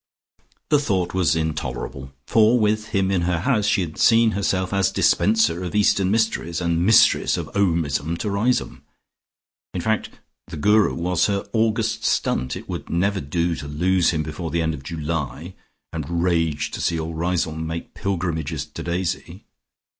The thought was intolerable, for with him in her house, she had seen herself as dispenser of Eastern Mysteries, and Mistress of Omism to Riseholme. In fact the Guru was her August stunt; it would never do to lose him before the end of July, and rage to see all Riseholme making pilgrimages to Daisy.